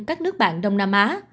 các nước bạn đông nam á